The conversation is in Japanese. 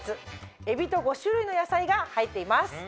海老と５種類の野菜が入っています。